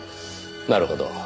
なるほど。